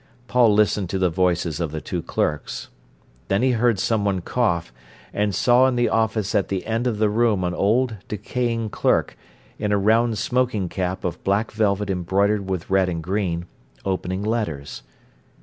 Paul listened to the voices of the two clerks. Then he heard someone cough, and saw in the office at the end of the room an old, decaying clerk, in a round smoking cap of black velvet embroidered with red and green, opening letters.